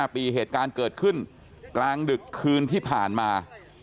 ๕ปีเหตุการณ์เกิดขึ้นกลางดึกคืนที่ผ่านมา